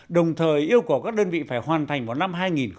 đồng thời yêu cầu các đơn vị phải hoàn thành vào năm hai nghìn hai mươi